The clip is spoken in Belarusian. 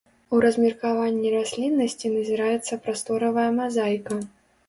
У размеркаванні расліннасці назіраецца прасторавая мазаіка.